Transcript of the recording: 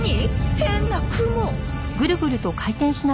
変な雲。